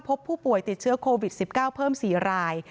พบผู้ป่วยติดเชื้อโควิด๑๙เพิ่ม๔ราย